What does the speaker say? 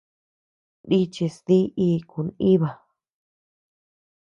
Nichis dí iku nʼiba.